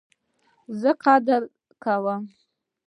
زه قدر کوم